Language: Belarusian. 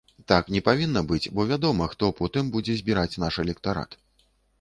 Так не павінна быць, бо вядома хто потым будзе збіраць наш электарат.